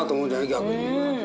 逆に。